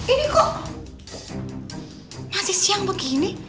ini kok masih siang begini